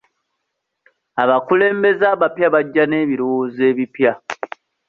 Abakulembeze abapya bajja n'ebirowoozo ebipya.